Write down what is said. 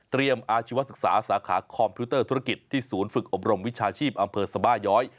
อาชีวศึกษาสาขาคอมพิวเตอร์ธุรกิจที่ศูนย์ฝึกอบรมวิชาชีพอำเภอสบาย้อย